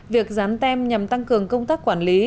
việc dán tem nhằm tăng cường công tác quản lý